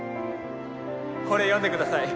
これ読んでください